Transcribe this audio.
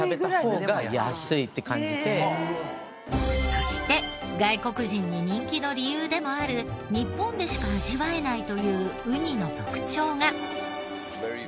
そして外国人に人気の理由でもある日本でしか味わえないというウニの特徴が。